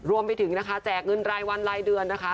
รวมไปถึงนะคะแจกเงินรายวันรายเดือนนะคะ